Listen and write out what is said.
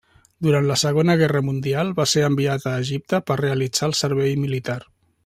Durant la Segona Guerra Mundial, va ser enviat a Egipte per realitzar el servei militar.